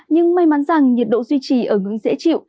nhưng may mắn rằng nhiệt độ duy trì ở ngưỡng dễ chịu